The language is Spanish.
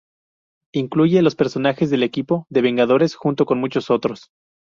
Incluye los personajes del equipo de Vengadores junto con muchos otros.